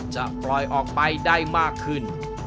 จะปล่อยออกไปได้มากขึ้น